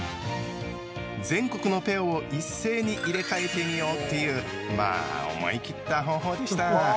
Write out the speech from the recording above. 全国のペアを一斉に入れ替えてみようっていうまあ思い切った方法でした。